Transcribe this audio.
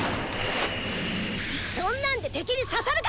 そんなんで敵にささるか！